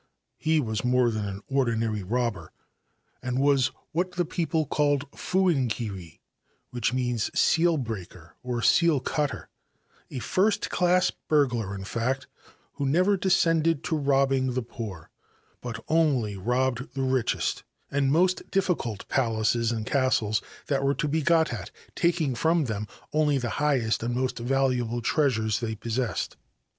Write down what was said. He was more than an ordinary robber, and was what the people called a c fu in kiri,' which means ' seal breaker ' or * seal cutter '; a first class burglar, in fact, who never descended to robbing the poor, but only robbed the richest and most difficult palaces and castles that were to be got at, taking from 144 Theft and Recovery of a Golden Kwannon them only the highest and most valuable treasures they possessed.